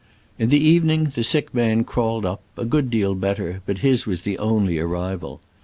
In the evening the sick man crawled up, a good deal better, but his was the only arrival.